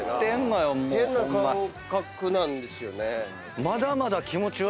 変な感覚なんですよね。